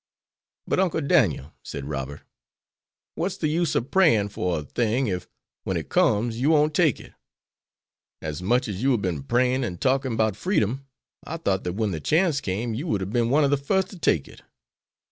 "But, Uncle Daniel," said Robert, "what's the use of praying for a thing if, when it comes, you won't take it? As much as you have been praying and talking about freedom, I thought that when the chance came you would have been one of the first to take it.